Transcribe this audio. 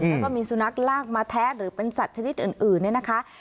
แล้วก็มีสุนัขลากมาแท้หรือเป็นสัตว์ชนิดอื่นเนี่ยนะคะ